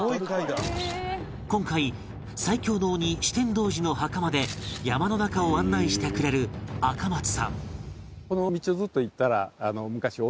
今回最強の鬼酒呑童子の墓まで山の中を案内してくれる赤松さん